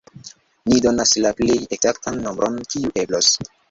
Ni donos la plej ekzaktan nombron, kiu eblos.